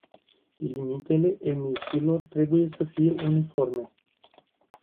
Limitele emisiilor trebuie să fie uniforme.